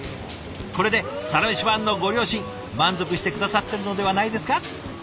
これで「サラメシ」ファンのご両親満足して下さってるのではないですか？